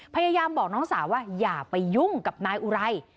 พยายามบอกน้องสาวว่าอย่าไปยุ่งกับนายอุไร